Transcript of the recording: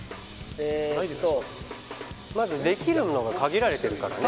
えっとまずできるのが限られてるからね